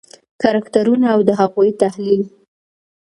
کرکټرونه او د هغوی تحلیل: